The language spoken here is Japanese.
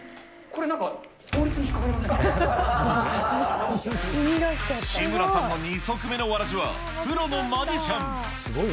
これ、志村さんの二足目のわらじは、プロのマジシャン。